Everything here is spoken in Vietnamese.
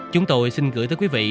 chúng tôi xin gửi tới các bạn